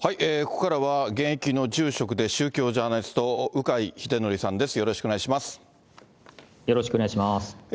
ここからは現役の住職で宗教ジャーナリスト、鵜飼秀徳さんです。